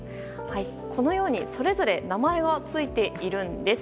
このようにそれぞれ名前がついているんです。